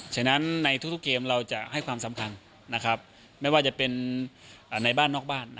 ฉะนั้นในทุกเกมเราจะให้ความสำคัญไม่ว่าจะเป็นในบ้านนอกบ้าน